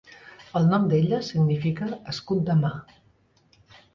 El nom d'ella significa "escut de mà".